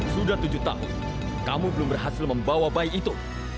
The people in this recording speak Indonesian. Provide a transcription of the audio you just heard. sudah tujuh tahun kamu belum berhasil membawa bayi itu